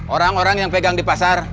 orang orang yang pegang di pasar